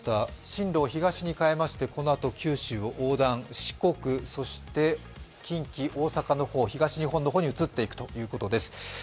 進路を東に変えましてこのあと九州を横断、四国、そして近畿大阪の方、東日本の方に移っていくということです。